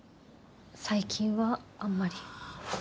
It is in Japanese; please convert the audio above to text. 最近はあんまり。